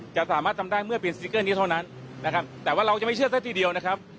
จะสามารถทำได้เมื่อเปลี่ยนสติ๊กเกอร์นี้เท่านั้นนะครับแต่ว่าเราจะไม่เชื่อซะทีเดียวนะครับ